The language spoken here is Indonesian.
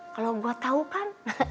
kalo gua tau kan